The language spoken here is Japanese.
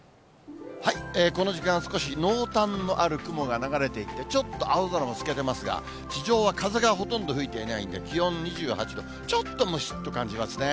この時間、少し濃淡のある雲が流れていって、ちょっと青空も透けてますが、地上は風がほとんど吹いていないんで、気温２８度、ちょっとむしっと感じますね。